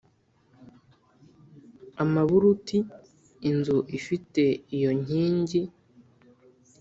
amaburuti, inzu ifite iyo nkingi